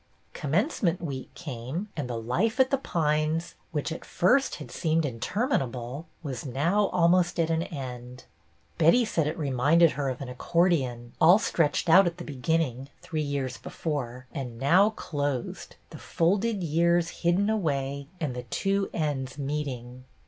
Commencement week came, and the life at The Pines, which at first had seemed interminable, was now almost at an end. Betty said it reminded her of an accordeon, all stretched out at the beginning, three years before, and now closed, the folded years hidden away and the two ends meet ing.